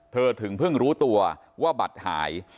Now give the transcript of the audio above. ถึงเพิ่งรู้ตัวว่าบัตรหาย